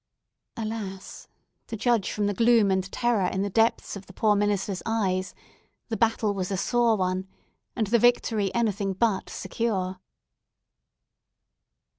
Alas! to judge from the gloom and terror in the depth of the poor minister's eyes, the battle was a sore one, and the victory anything but secure.